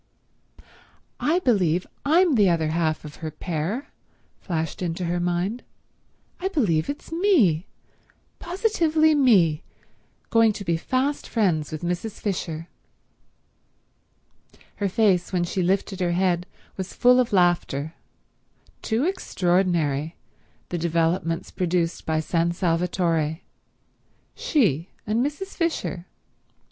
"I believe I'm the other half of her pair," flashed into her mind. "I believe it's me, positively me, going to be fast friends with Mrs. Fisher!" Her face when she lifted her head was full of laughter. Too extraordinary, the developments produced by San Salvatore. She and Mrs. Fisher ..